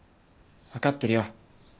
分かってるよ。